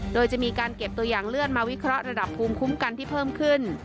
โดยจะมีการเก็บตัวอย่างเลื่อนมาวิเคราะห์ระดับภูมิคุ้มกันที่เพิ่มขึ้น